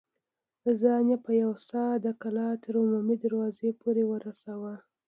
ځان يې په يوه سا د کلا تر عمومي دروازې پورې ورساوه.